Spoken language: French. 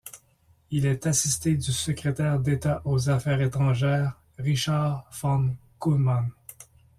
Il est assisté du secrétaire d'État aux affaires étrangères, Richard von Kühlmann.